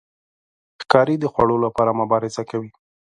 ښکاري د خوړو لپاره مبارزه کوي.